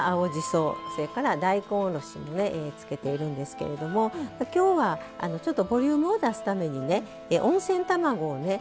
それから大根おろしもつけているんですけれども今日はちょっとボリュームを出すためにね温泉卵をね